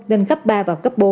nâng cấp ba và cấp bốn